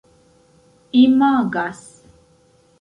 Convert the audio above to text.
imagas